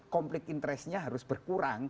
kompleks interestnya harus berkurang